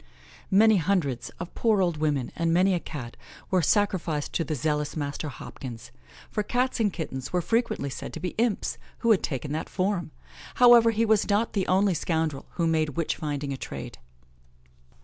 Many hundreds of poor old women, and many a Cat, were sacrificed to the zealous Master Hopkins, for Cats and Kittens were frequently said to be imps, who had taken that form. However, he was not the only scoundrel who made witch finding a trade.